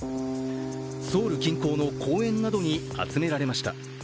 ソウル近郊の公園などに集められました。